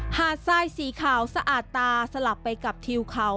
หาดทรายสีขาวสะอาดตาสลับไปกับทิวเขา